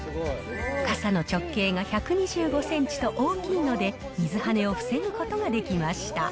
傘の直径が１２５センチと大きいので水ハネを防ぐことができ